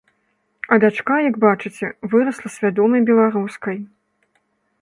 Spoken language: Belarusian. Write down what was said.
А дачка, як бачыце, вырасла свядомай беларускай.